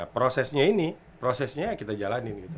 prosesnya ini prosesnya kita jalanin gitu